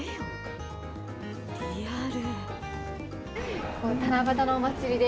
リアル。